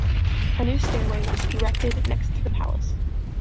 A new stairway was erected next to the palas.